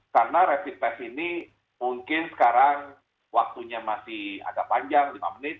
karena rapid test ini mungkin sekarang waktunya masih agak panjang lima menit